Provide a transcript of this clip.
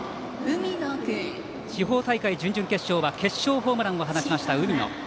地方大会準々決勝は決勝ホームランを打った海野。